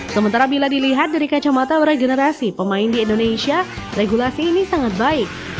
sementara bila dilihat dari kacamata regenerasi pemain di indonesia regulasi ini sangat baik